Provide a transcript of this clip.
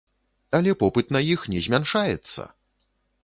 Але попыт на іх не змяншаецца!